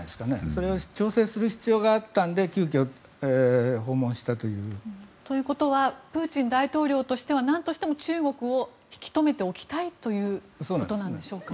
それを調整する必要があったので急きょ訪問したという。ということはプーチン大統領としてはなんとしても中国を引き留めておきたいということなんでしょうか？